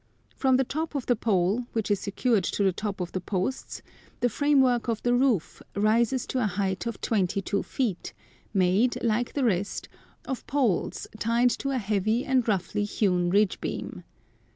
From the top of the pole, which is secured to the top of the posts, the framework of the roof rises to a height of twenty two feet, made, like the rest, of poles tied to a heavy and roughly hewn ridge beam.